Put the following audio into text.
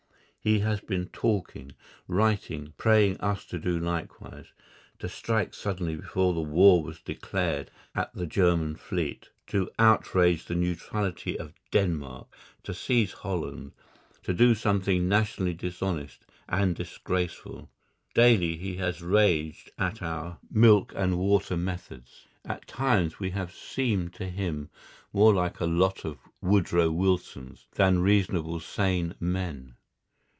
He has been talking, writing, praying us to do likewise, to strike suddenly before war was declared at the German fleet, to outrage the neutrality of Denmark, to seize Holland, to do something nationally dishonest and disgraceful. Daily he has raged at our milk and water methods. At times we have seemed to him more like a lot of Woodrow Wilsons than reasonable sane men.